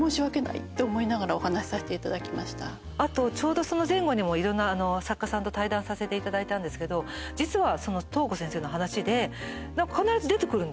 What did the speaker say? あとちょうどその前後にもいろんな作家さんと対談させていただいたんですけど実は瞳子先生の話で必ず出てくるんですよ。